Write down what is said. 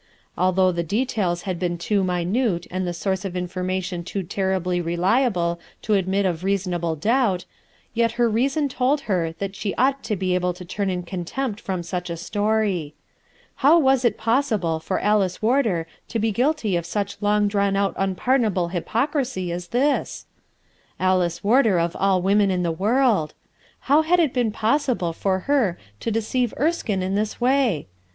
Although the details had been too minute and the source of information too terribly reliable to admit of reasonable doubt, yet her reason told her that she ought to be able to turn in contempt from such a story. How was it possible for Alice Warder to be guilty of such long drawn out un pardonable hypocrisy as this? Alice Warder of all women in the world ! How had it been possible for her to deceive Erskine in this way